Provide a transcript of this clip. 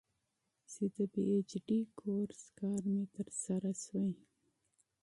چې د پي اېچ ډي کورس ورک مې مکمل شوے